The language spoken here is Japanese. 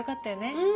うん！